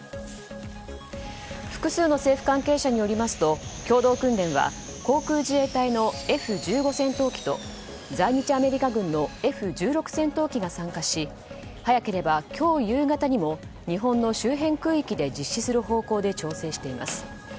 複数の政府関係者によりますと共同訓練は、航空自衛隊のＦ１５戦闘機と在日アメリカ軍のＦ１６戦闘機が参加し早ければ今日夕方にも日本の周辺空域で実施する方向で調整しています。